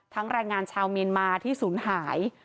ทั้งแรงงานชาวเมียนมาที่สูญหาย